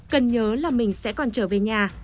cần nhớ là mình sẽ còn trở về nhà